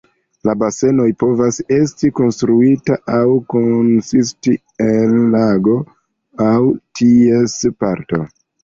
La basenoj povas esti konstruita aŭ konsisti el lago aŭ ties parto.